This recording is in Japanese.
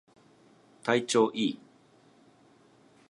体調いい